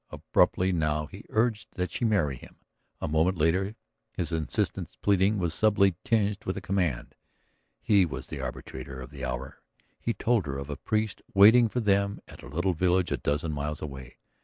Abruptly now he urged that she marry him; a moment later his insistent pleading was subtly tinged with command. He was the arbiter of the hour; he told her of a priest waiting for them at a little village a dozen miles away.